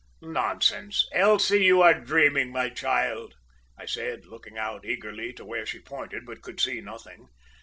Nonsense, Elsie; you are dreaming, my child!' I said, looking out eagerly to where she pointed, but could see nothing.